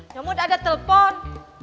nyamun ada telepon